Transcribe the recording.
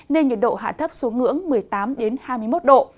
nên nhiệt độ hạ thấp xuống ngưỡng một mươi tám hai mươi một độ